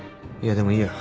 でもいいや。